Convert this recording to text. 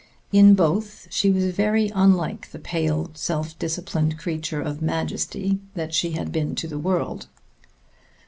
In both she was very unlike the pale, self disciplined creature of majesty that she had been to the world.